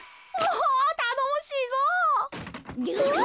おたのもしいぞ。